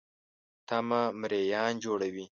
تمه مریان جوړوي.